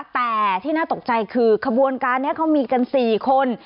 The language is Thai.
แต่ที่น่าตกใจคือขบวนการนี้เขามีกัน๔คน